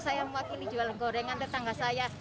saya mewakili jualan gorengan tetangga saya